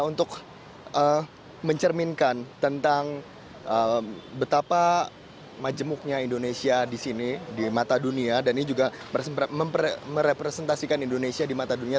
untuk mencerminkan tentang betapa majemuknya indonesia di sini di mata dunia dan ini juga merepresentasikan indonesia di mata dunia